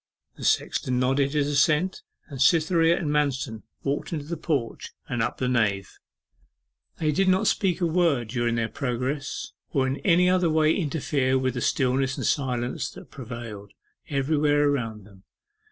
The sexton nodded his assent, and Cytherea and Manston walked into the porch, and up the nave. They did not speak a word during their progress, or in any way interfere with the stillness and silence that prevailed everywhere around them.